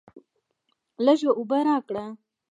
لږ اوبه راکړه.